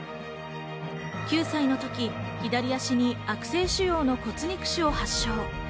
９歳の時、左足に悪性腫瘍の骨肉腫を発症。